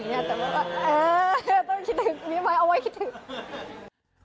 แต่ว่าเอ่อต้องคิดถึงมีไหมเอาไว้คิดถึง